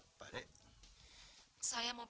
itu tadi istri saya yang